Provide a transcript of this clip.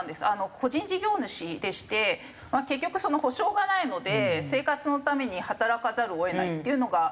個人事業主でして結局その補償がないので生活のために働かざるを得ないっていうのが現状で。